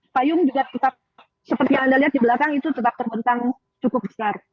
payung juga tetap seperti yang anda lihat di belakang itu tetap terbentang cukup besar